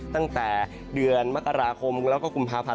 ตั้งแต่เดือนมกราคมแล้วก็กุมภาพันธ